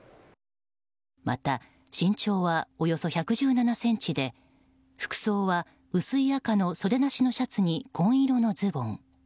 また、身長はおよそ１１７ｃｍで服装は薄い赤の袖なしのシャツに紺色のズボン。